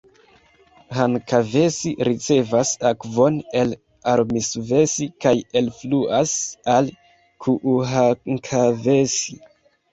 Hankavesi ricevas akvon el Armisvesi kaj elfluas al Kuuhankavesi.